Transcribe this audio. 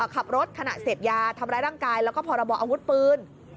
ขับรถขณะเสพยาทำร้ายร่างกายแล้วก็พรบออาวุธปืน